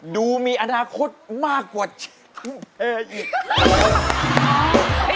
ดูมีอนาคตมากกว่า